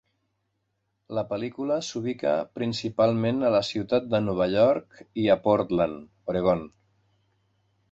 La pel·lícula s'ubica principalment a la ciutat de Nova York i a Portland, Oregon.